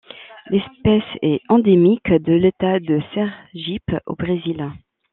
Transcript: L'espèce est endémique de l'État de Sergipe au Brésil.